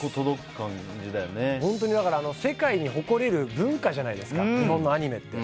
本当に世界に誇れる文化じゃないですか日本のアニメって。